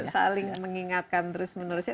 saling mengingatkan terus menerusnya